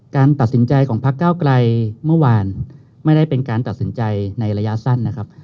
การตัดสินใจของพักเก้าไกลเมื่อวานไม่ได้เป็นการตัดสินใจในระยะสั้นนะครับ